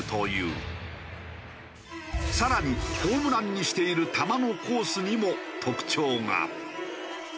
更にホームランにしている球のコースにも特徴が。